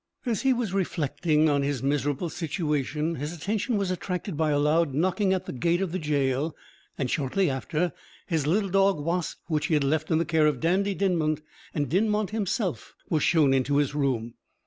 As he was reflecting on his miserable situation, his attention was attracted by a loud knocking at the gate of the gaol; and shortly after his little dog Wasp, which he had left in the care of Dandie Dinmont, and Dinmont himself were shown into his room.